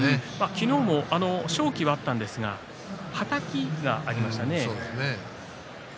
昨日も勝機はあったんですがはたきがありましたね。